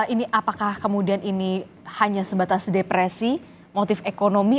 ini apakah kemudian ini hanya sebatas depresi motif ekonomi